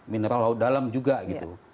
mineral laut dalam juga gitu